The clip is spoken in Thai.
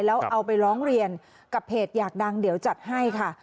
แล้วเอาไปร้องเรียนกับเพจอยากดังเดี๋ยวจัดให้ค่ะ